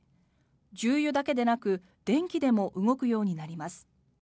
重油だけでなく電気でも動くようになります。